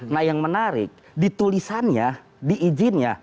nah yang menarik ditulisannya diizinnya